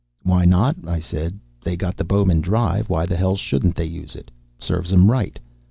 "Why not?" I said. "They got the Bowman Drive, why the hell shouldn't they use it? Serves 'em right."